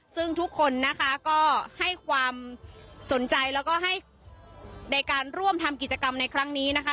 ซึ่งทุกคนนะคะก็ให้ความสนใจแล้วก็ให้ในการร่วมทำกิจกรรมในครั้งนี้นะคะ